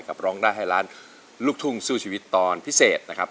ร้องได้ให้ล้านลูกทุ่งสู้ชีวิตตอนพิเศษนะครับ